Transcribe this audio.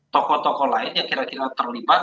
tokoh tokoh lain yang kira kira terlibat